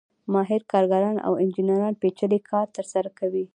ماهر کارګران او انجینران پېچلی کار ترسره کوي